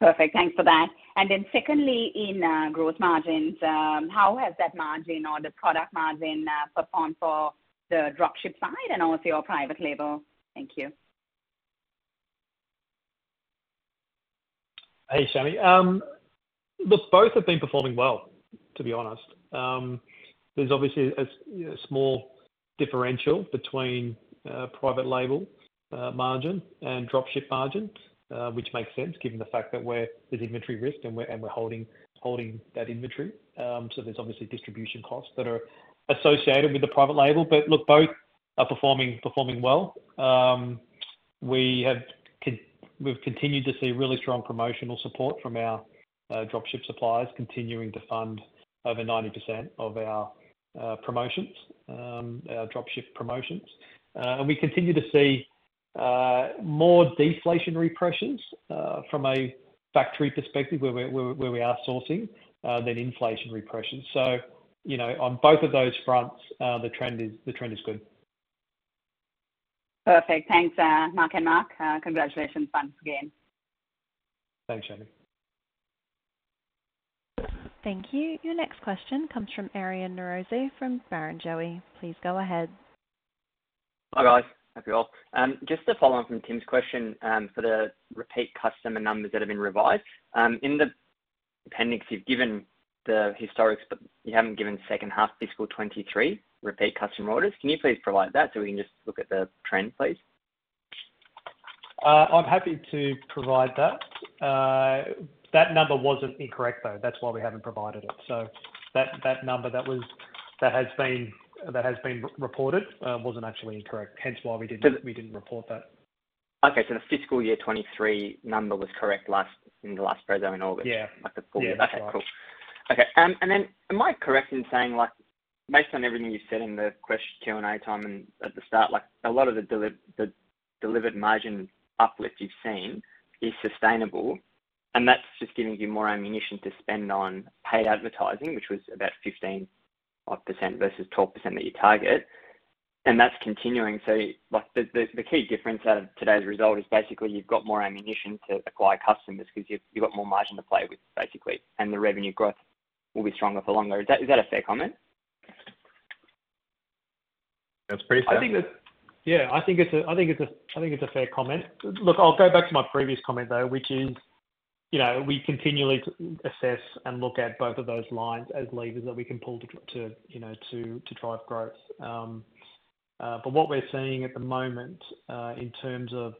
Perfect. Thanks for that. Then secondly, in growth margins, how has that margin or the product margin performed for the dropship side and also your private label? Thank you. Hey, Chami. Look, both have been performing well, to be honest. There's obviously a small differential between private label margin and dropship margin, which makes sense given the fact that there's inventory risk and we're holding that inventory. So there's obviously distribution costs that are associated with the private label. But look, both are performing well. We've continued to see really strong promotional support from our dropship suppliers, continuing to fund over 90% of our dropship promotions. And we continue to see more deflationary pressures from a factory perspective where we are sourcing than inflationary pressures. So on both of those fronts, the trend is good. Perfect. Thanks, Mark and Mark. Congratulations once again. Thanks, Chami. Thank you. Your next question comes from Aryan Norozi from Barrenjoey. Please go ahead. Hi, guys. Happy all. Just a follow-on from Tim's question for the repeat customer numbers that have been revised. In the appendix, you've given the historics, but you haven't given second half Fiscal 2023 repeat customer orders. Can you please provide that so we can just look at the trend, please? I'm happy to provide that. That number wasn't incorrect, though. That's why we haven't provided it. So that number that has been reported wasn't actually incorrect, hence why we didn't report that. Okay. So the fiscal year 2023 number was correct in the last pro forma in August, like the full year. Okay. Cool. Okay. And then am I correct in saying, based on everything you've said in the Q&A time at the start, a lot of the delivered margin uplift you've seen is sustainable, and that's just giving you more ammunition to spend on paid advertising, which was about 15% versus 12% that you target. And that's continuing. So the key difference out of today's result is basically you've got more ammunition to acquire customers because you've got more margin to play with, basically, and the revenue growth will be stronger for longer. Is that a fair comment? That's pretty fair. Yeah. I think it's a fair comment. Look, I'll go back to my previous comment, though, which is we continually assess and look at both of those lines as levers that we can pull to drive growth. But what we're seeing at the moment in terms of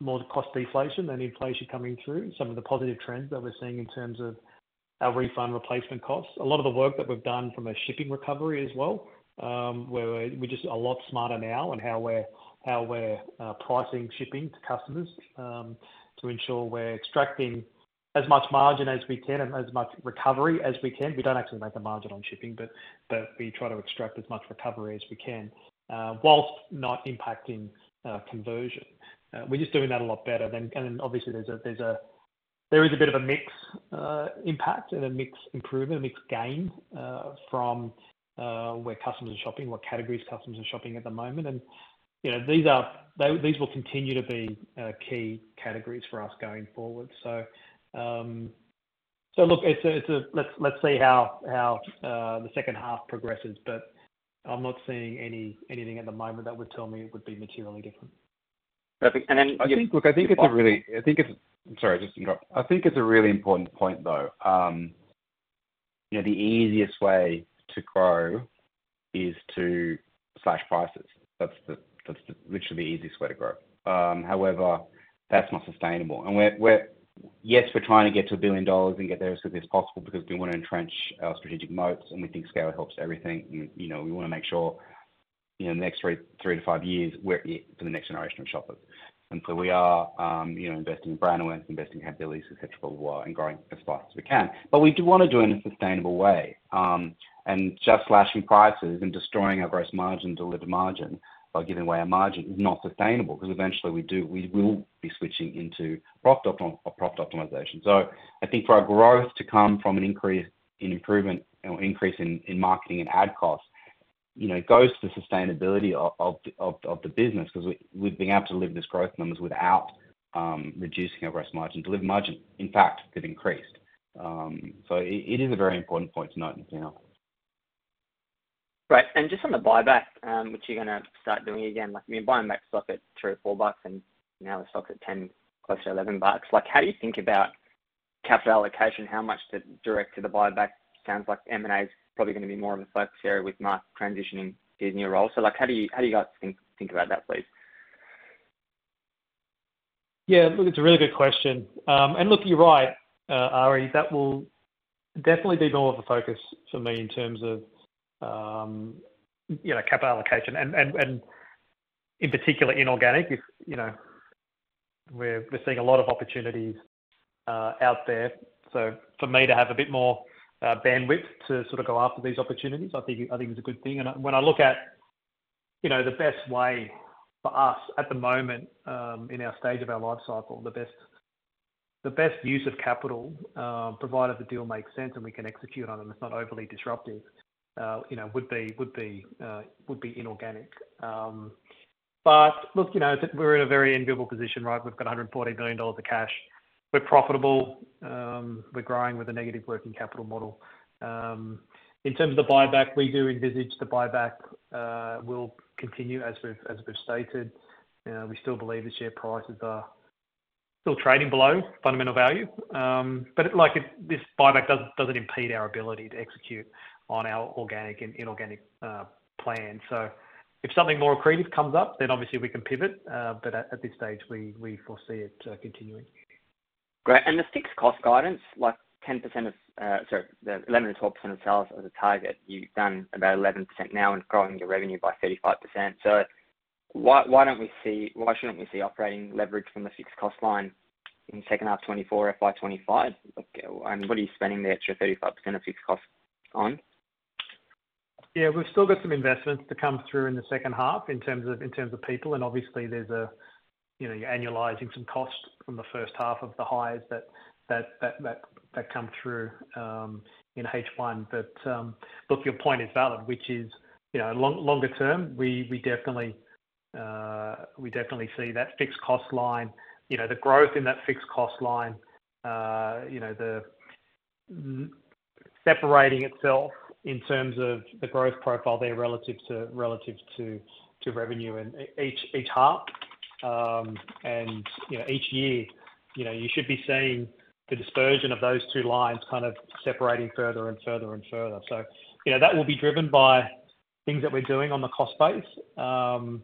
more cost deflation than inflation coming through, some of the positive trends that we're seeing in terms of our refund replacement costs, a lot of the work that we've done from a shipping recovery as well, where we're just a lot smarter now and how we're pricing shipping to customers to ensure we're extracting as much margin as we can and as much recovery as we can. We don't actually make a margin on shipping, but we try to extract as much recovery as we can whilst not impacting conversion. We're just doing that a lot better. Obviously, there is a bit of a mix impact and a mix improvement, a mix gain from where customers are shopping, what categories customers are shopping at the moment. These will continue to be key categories for us going forward. Look, let's see how the second half progresses. But I'm not seeing anything at the moment that would tell me it would be materially different. Perfect. And then. I'm sorry. I just interrupt. I think it's a really important point, though. The easiest way to grow is to slash prices. That's literally the easiest way to grow. However, that's not sustainable. And yes, we're trying to get to 1 billion dollars and get there as quickly as possible because we want to entrench our strategic moats, and we think scale helps everything. And we want to make sure in the next three to five years, we're it for the next generation of shoppers. And so we are investing in brand awareness, investing in capabilities, etc., worldwide, and growing as fast as we can. But we do want to do it in a sustainable way. Just slashing prices and destroying our gross margin, delivered margin by giving away our margin is not sustainable because eventually, we will be switching into profit optimization. So I think for our growth to come from an increase in improvement or increase in marketing and ad costs, it goes to the sustainability of the business because we've been able to live these growth numbers without reducing our gross margin. Delivered margin, in fact, could increase. So it is a very important point to note in the final. Right. And just on the buyback, which you're going to start doing again, I mean, buying back stock at 3 or 4 bucks, and now the stock's at 10, close to 11 bucks. How do you think about capital allocation? How much to direct to the buyback? Sounds like M&A is probably going to be more of a focus area with Mark transitioning to his new role. So how do you guys think about that, please? Yeah. Look, it's a really good question. And look, you're right, Ari. That will definitely be more of a focus for me in terms of capital allocation and in particular, inorganic. We're seeing a lot of opportunities out there. So for me to have a bit more bandwidth to sort of go after these opportunities, I think is a good thing. And when I look at the best way for us at the moment in our stage of our life cycle, the best use of capital, provided the deal makes sense and we can execute on it and it's not overly disruptive, would be inorganic. But look, we're in a very enviable position, right? We've got 140 million dollars of cash. We're profitable. We're growing with a negative working capital model. In terms of the buyback, we do envisage the buyback will continue as we've stated. We still believe the share prices are still trading below fundamental value. But this buyback doesn't impede our ability to execute on our organic and inorganic plan. So if something more accretive comes up, then obviously, we can pivot. But at this stage, we foresee it continuing. Great. And the fixed cost guidance, like 10% of sorry, 11%-12% of sales as a target, you've done about 11% now and growing your revenue by 35%. So why don't we see why shouldn't we see operating leverage from the fixed cost line in second half 2024, FY 2025? I mean, what are you spending the extra 35% of fixed costs on? Yeah. We've still got some investments to come through in the second half in terms of people. And obviously, you're annualizing some costs from the first half of the hires that come through in H1. But look, your point is valid, which is longer term, we definitely see that fixed cost line, the growth in that fixed cost line, separating itself in terms of the growth profile there relative to revenue in each half. And each year, you should be seeing the dispersion of those two lines kind of separating further and further and further. So that will be driven by things that we're doing on the cost base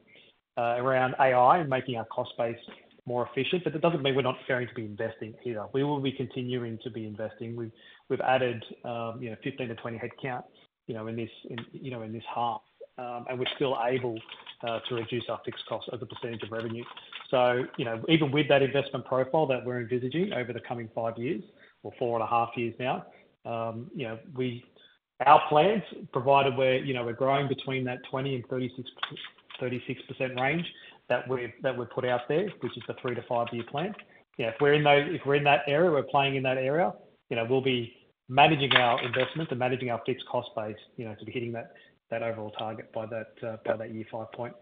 around AI and making our cost base more efficient. But that doesn't mean we're not faring to be investing either. We will be continuing to be investing. We've added 15-20 headcount in this half, and we're still able to reduce our fixed costs as a percentage of revenue. So even with that investment profile that we're envisaging over the coming five years or four and a half years now, our plans, provided we're growing between that 20%-36% range that we've put out there, which is the three to five-year plan, if we're in that area, we're playing in that area, we'll be managing our investments and managing our fixed cost base to be hitting that overall target by that year five point.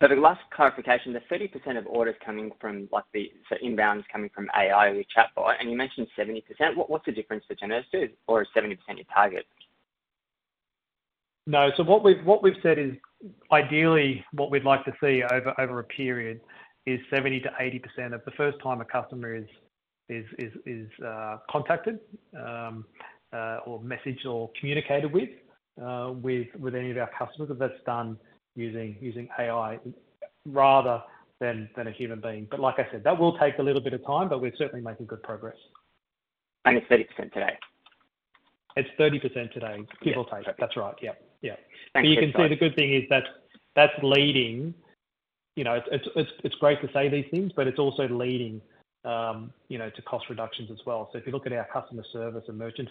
The last clarification, the 30% of orders coming from so inbounds coming from AI, the chatbot, and you mentioned 70%. What's the difference between those two, or is 70% your target? No. So what we've said is ideally, what we'd like to see over a period is 70%-80% of the first time a customer is contacted or messaged or communicated with any of our customers, if that's done using AI rather than a human being. But like I said, that will take a little bit of time, but we're certainly making good progress. It's 30% today? It's 30% today. People take it. That's right. Yeah. Yeah. But you can see the good thing is that's leading. It's great to say these things, but it's also leading to cost reductions as well. So if you look at our customer service and merchant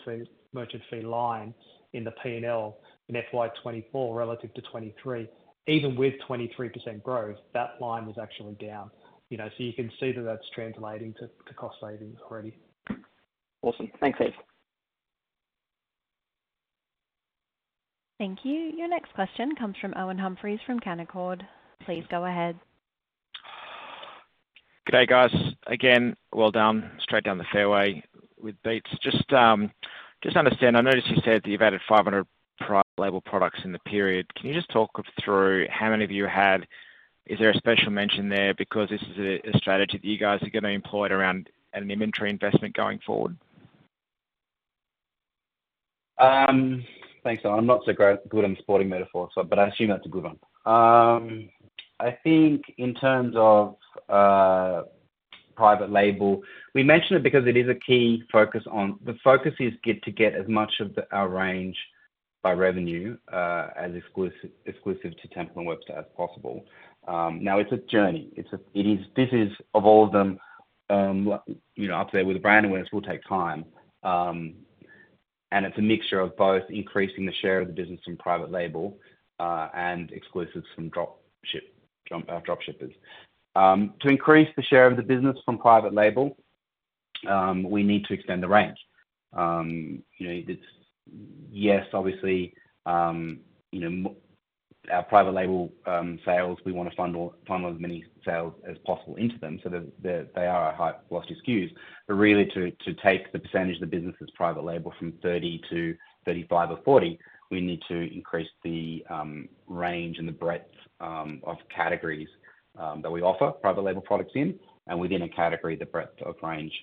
fee line in the P&L in FY 2024 relative to 2023, even with 23% growth, that line was actually down. So you can see that that's translating to cost savings already. Awesome. Thanks, Steve. Thank you. Your next question comes from Owen Humphries from Canaccord Genuity. Please go ahead. G'day, guys. Again, well done. Straight down the fairway with beats. Just understand, I noticed you said that you've added 500 private label products in the period. Can you just talk through how many of you had? Is there a special mention there because this is a strategy that you guys are going to employ around an inventory investment going forward? Thanks, Owen. I'm not so good on sporting metaphors, but I assume that's a good one. I think in terms of private label, we mention it because it is a key focus. The focus is to get as much of our range by revenue as exclusive to Temple & Webster as possible. Now, it's a journey. This is, of all of them up there with brand awareness, will take time. And it's a mixture of both increasing the share of the business from private label and exclusives from dropshippers. To increase the share of the business from private label, we need to extend the range. Yes, obviously, our private label sales, we want to funnel as many sales as possible into them. So they are high-velocity SKUs. But really, to take the percentage of the business's private label from 30%-35% or 40%, we need to increase the range and the breadth of categories that we offer private label products in and within a category, the breadth of range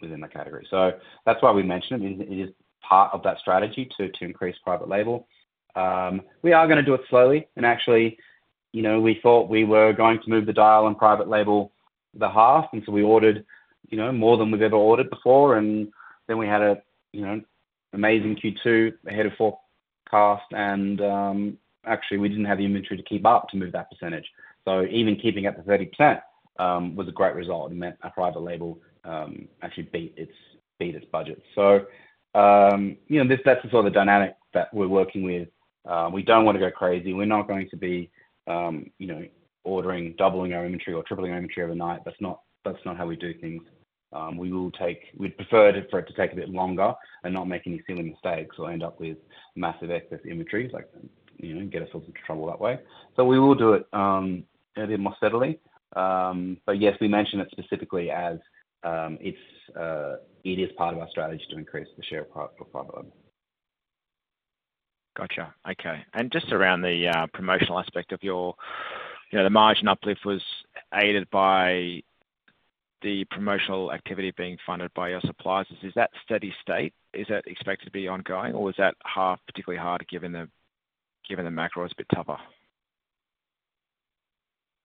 within that category. So that's why we mention it. It is part of that strategy to increase private label. We are going to do it slowly. And actually, we thought we were going to move the dial on private label the half. And so we ordered more than we've ever ordered before. And then we had an amazing Q2 ahead of forecast. And actually, we didn't have the inventory to keep up to move that percentage. So even keeping at the 30% was a great result. It meant our private label actually beat its budget. So that's the sort of dynamic that we're working with. We don't want to go crazy. We're not going to be ordering, doubling our inventory or tripling our inventory overnight. That's not how we do things. We'd prefer for it to take a bit longer and not make any silly mistakes or end up with massive excess inventory and get ourselves into trouble that way. So we will do it a bit more steadily. But yes, we mention it specifically as it is part of our strategy to increase the share of private label. Gotcha. Okay. And just around the promotional aspect of your, the margin uplift was aided by the promotional activity being funded by your suppliers. Is that steady state? Is it expected to be ongoing, or is that particularly hard given the macro is a bit tougher?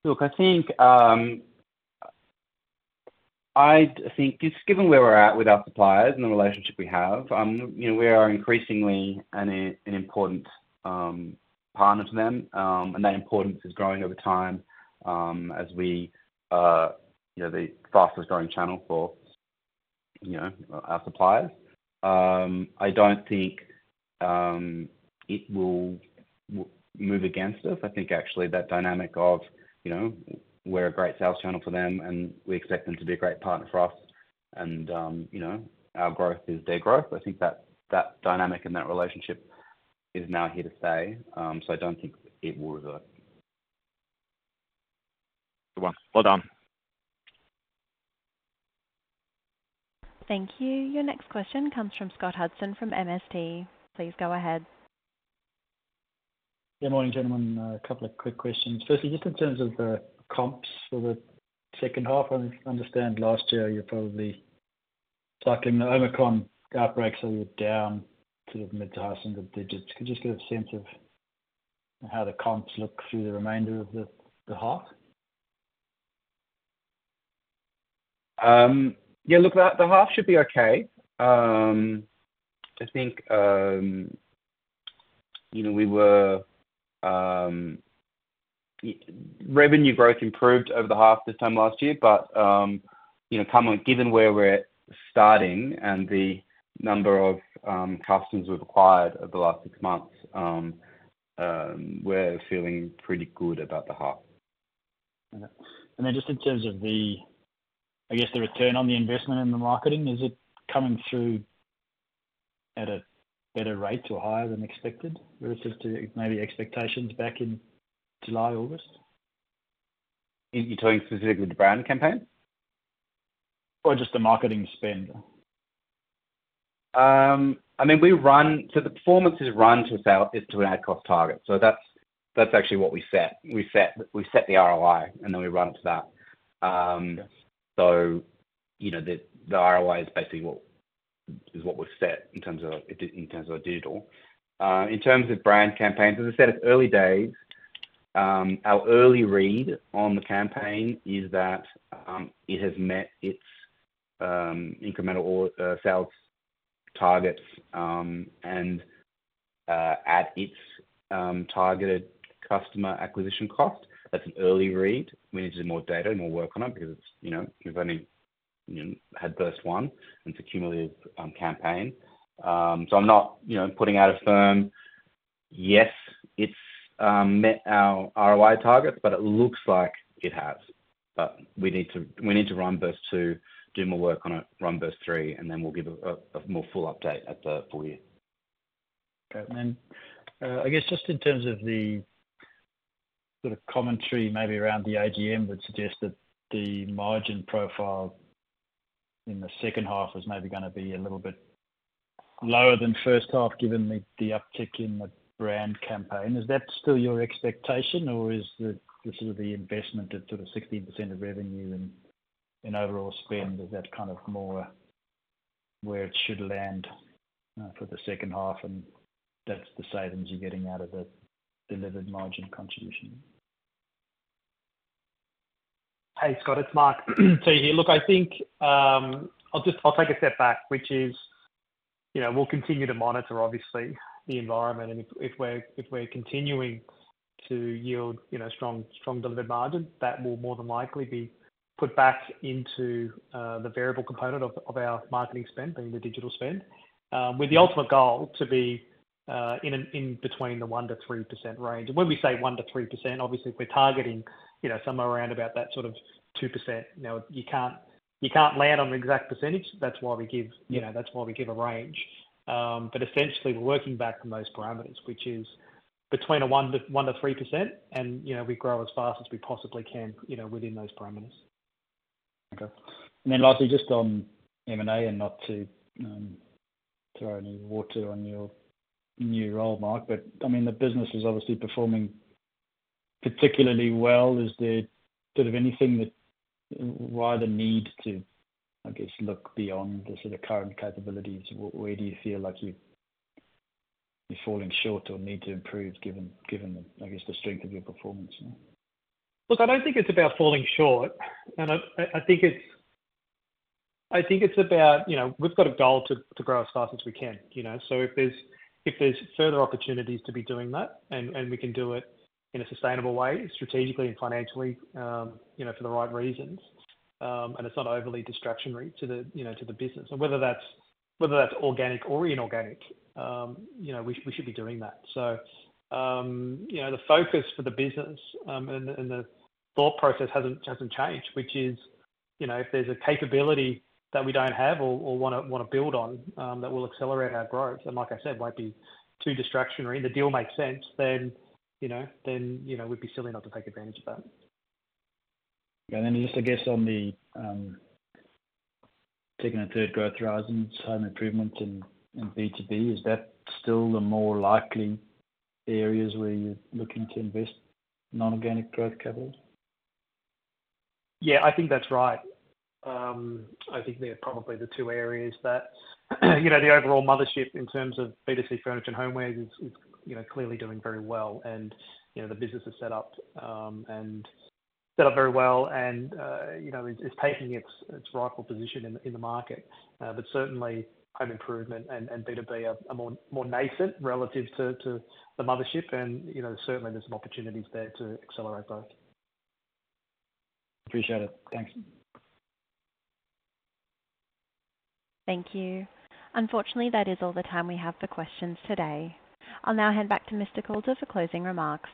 Look, I think just given where we're at with our suppliers and the relationship we have, we are increasingly an important partner to them. That importance is growing over time as we the fastest growing channel for our suppliers. I don't think it will move against us. I think actually, that dynamic of we're a great sales channel for them, and we expect them to be a great partner for us. Our growth is their growth. I think that dynamic and that relationship is now here to stay. I don't think it will revert. Good one. Well done. Thank you. Your next question comes from Scott Hudson from MST. Please go ahead. Good morning, gentlemen. A couple of quick questions. Firstly, just in terms of the comps for the second half, I understand last year, you're probably cycling the Omicron outbreak, so you're down sort of mid to high single digits. Could you just get a sense of how the comps look through the remainder of the half? Yeah. Look, the half should be okay. I think we were revenue growth improved over the half this time last year. But given where we're at starting and the number of customers we've acquired over the last six months, we're feeling pretty good about the half. Okay. And then just in terms of, I guess, the return on the investment in the marketing, is it coming through at a better rate or higher than expected relative to maybe expectations back in July, August? You're talking specifically the brand campaign? Or just the marketing spend? I mean, so the performance is run to an ad cost target. So that's actually what we set. We set the ROI, and then we run it to that. So the ROI is basically what we've set in terms of digital. In terms of brand campaigns, as I said, it's early days. Our early read on the campaign is that it has met its incremental sales targets and at its targeted customer acquisition cost. That's an early read. We need to do more data and more work on it because we've only had burst one and it's a cumulative campaign. So I'm not putting out a firm yes, it's met our ROI targets, but it looks like it has. But we need to run burst two, do more work on it, run burst three, and then we'll give a more full update at the full year. Okay. Then I guess just in terms of the sort of commentary maybe around the AGM would suggest that the margin profile in the second half was maybe going to be a little bit lower than first half given the uptick in the brand campaign. Is that still your expectation, or is the sort of the investment of sort of 16% of revenue and overall spend, is that kind of more where it should land for the second half, and that's the savings you're getting out of the delivered margin contribution? Hey, Scott. It's Mark. So yeah, look, I think I'll take a step back, which is we'll continue to monitor, obviously, the environment. And if we're continuing to yield strong delivered margin, that will more than likely be put back into the variable component of our marketing spend being the digital spend with the ultimate goal to be in between the 1%-3% range. And when we say 1%-3%, obviously, if we're targeting somewhere around about that sort of 2%, now, you can't land on the exact percentage. That's why we give a range. But essentially, we're working back from those parameters, which is between a 1%-3%, and we grow as fast as we possibly can within those parameters. Okay. And then lastly, just on M&A and not to throw any water on your new role, Mark. But I mean, the business is obviously performing particularly well. Is there sort of anything that rather need to, I guess, look beyond the sort of current capabilities? Where do you feel like you're falling short or need to improve given, I guess, the strength of your performance? Look, I don't think it's about falling short. I think it's about we've got a goal to grow as fast as we can. So if there's further opportunities to be doing that and we can do it in a sustainable way, strategically and financially for the right reasons, and it's not overly distractionary to the business. Whether that's organic or inorganic, we should be doing that. The focus for the business and the thought process hasn't changed, which is if there's a capability that we don't have or want to build on that will accelerate our growth and, like I said, won't be too distractionary, the deal makes sense, then we'd be silly not to take advantage of that. Yeah. Then just, I guess, on the taking a third growth horizon and some improvements in B2B, is that still the more likely areas where you're looking to invest non-organic growth capital? Yeah, I think that's right. I think they're probably the two areas that the overall mothership in terms of B2C furniture and homewares is clearly doing very well. And the business is set up very well and is taking its rightful position in the market. But certainly, Home Improvement and B2B are more nascent relative to the mothership. And certainly, there's some opportunities there to accelerate both. Appreciate it. Thanks. Thank you. Unfortunately, that is all the time we have for questions today. I'll now hand back to Mr. Coulter for closing remarks.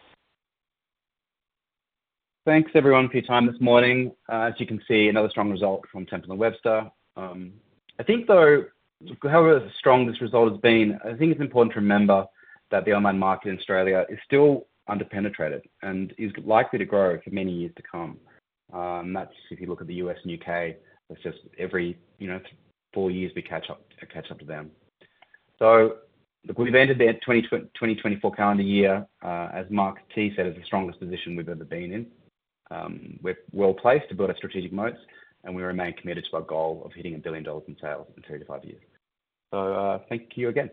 Thanks, everyone, for your time this morning. As you can see, another strong result from Temple & Webster. I think, though, however strong this result has been, I think it's important to remember that the online market in Australia is still under-penetrated and is likely to grow for many years to come. That's if you look at the U.S. and U.K. It's just every four years, we catch up to them. So we've entered the 2024 calendar year. As Mark T. said, it's the strongest position we've ever been in. We're well placed to build our strategic moats, and we remain committed to our goal of hitting 1 billion dollars in sales in three to five years. So thank you again.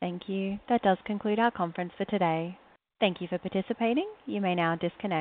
Thank you. That does conclude our conference for today. Thank you for participating. You may now disconnect.